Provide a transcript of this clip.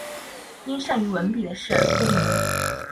因善于文笔的事而出名。